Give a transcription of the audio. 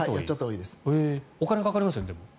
お金がかかりますよね？